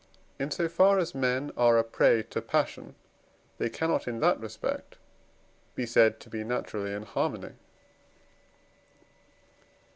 In so far as men are a prey to passion, they cannot, in that respect, be said to be naturally in harmony.